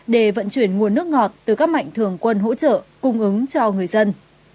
để vận chuyển nguồn nước ngọt từ các mạnh thường quân hỗ trợ cung ứng cho người dân